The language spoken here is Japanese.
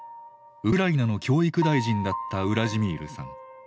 ウクライナの教育大臣だったウラジミールさん。